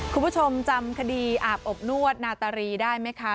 คุณผู้ชมจำคดีอาบอบนวดนาตารีได้ไหมคะ